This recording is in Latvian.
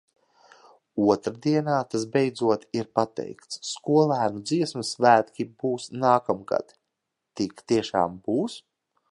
Otrdienā tas beidzot ir pateikts, skolēnu dziesmu svētki būs nākamgad. Tik tiešām būs?